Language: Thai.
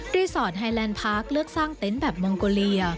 สอดไฮแลนด์พาร์คเลือกสร้างเต็นต์แบบมองโกเลีย